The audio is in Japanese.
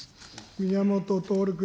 宮本徹君。